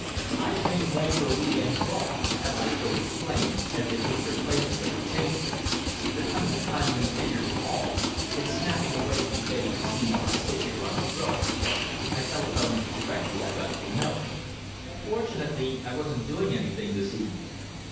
"I have been away for a week end's golf," Hebblethwaite explained, as they took their places at the table. "There comes a time when figures pall, and snapping away in debate seems to stick in one's throat. I telephoned directly I got your note. Fortunately, I wasn't doing anything this evening.